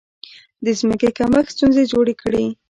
د ځمکې کمښت ستونزې جوړې کړې.